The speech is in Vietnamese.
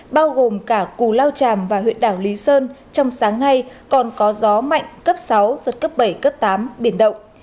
bao gồm cả cù lao tràm và huyện đảo lý sơn trong sáng nay còn có gió mạnh cấp sáu giật cấp bảy cấp tám biển động